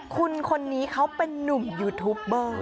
คุณคนนี้เขาเป็นนุ่มยูทูปเบอร์